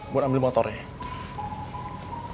buat ambil motornya